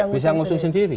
bisa ngusung sendiri